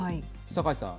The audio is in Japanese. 酒井さん。